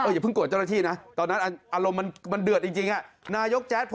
อย่าเพิ่งกรร